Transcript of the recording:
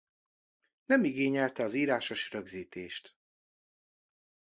Nem igényelte az írásos rögzítést.